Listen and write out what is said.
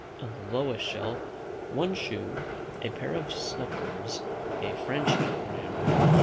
On the lowest shelf One shoe. A pair of snuffers. A French grammar.